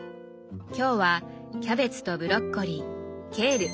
今日はキャベツとブロッコリーケール。